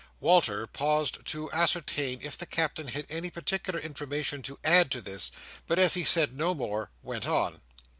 Walter paused to ascertain if the Captain had any particular information to add to this, but as he said no more, went on.